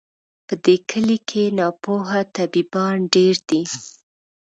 په دې کلي کي ناپوه طبیبان ډیر دي